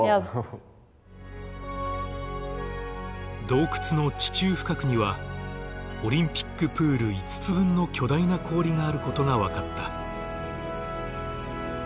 洞窟の地中深くにはオリンピックプール５つ分の巨大な氷があることが分かった。